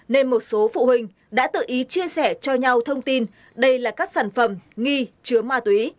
nên một số phụ huynh đã tự ý chia sẻ cho nhau thông tin đây là các sản phẩm nghi chứa ma túy